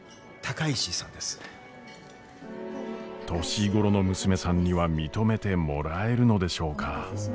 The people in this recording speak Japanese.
年頃の娘さんには認めてもらえるのでしょうか？